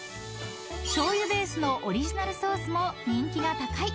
［しょうゆベースのオリジナルソースも人気が高い］